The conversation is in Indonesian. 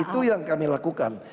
itu yang kami lakukan